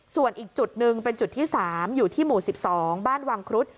ส่วนอีกจุดหนึ่งเป็นจุดที่๓อยู่ที่หมู่๑๒บ้านวังครุฑ